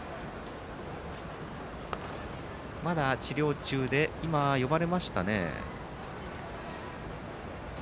まだ治療中で今、呼ばれましたね。